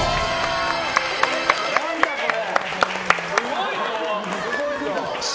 何だ、これ。